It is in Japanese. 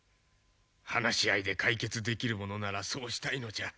話し合いで解決できるものならそうしたいのじゃ。